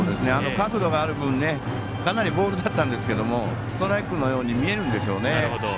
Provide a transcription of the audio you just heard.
角度がある分かなりボールだったんですけどストライクのように見えるんでしょうね。